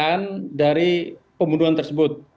dan mendapatkan kekayaan dari pembunuhan tersebut